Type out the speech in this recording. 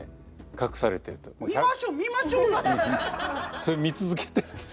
それ見続けてるんです。